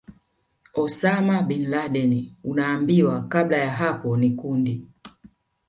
Osama Bin Laden Unaambiwa kabla ya hapo ni kundi